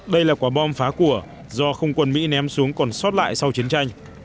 đây là quả bom phá của do không quân mỹ ném xuống còn sót lại sau chiến tranh